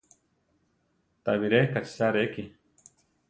Tabiré kachisa reki.